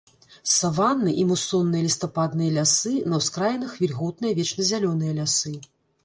Саванны і мусонныя лістападныя лясы, на ўскраінах вільготныя вечназялёныя лясы.